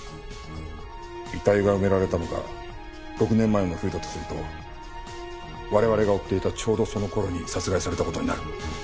遺体が埋められたのが６年前の冬だとすると我々が追っていたちょうどその頃に殺害された事になる。